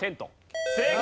正解！